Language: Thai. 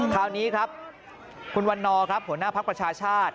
คราวนี้คุณวันน้อผู้หน้าภษประชาชาติ